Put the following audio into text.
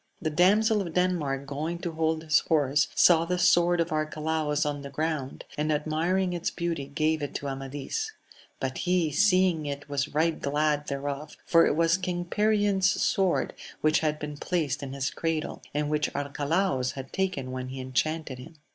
The damsel of Denmark going to hold his horse saw the sword of Arcalaus on the ground, and admiring its beauty gave it to Amadis ; but he seeing it was right glad thereof, for it was King Perion's sword which had been placed in his cradle, and which Arcalaus had taken when he en chanted him.